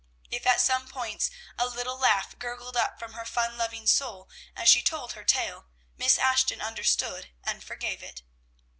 If at some points a little laugh gurgled up from her fun loving soul, as she told her tale, Miss Ashton understood, and forgave it.